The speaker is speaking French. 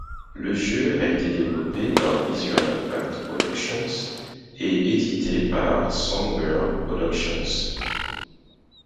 Le jeu a été développé par Visual Impact Productions et édité par Songbird Productions.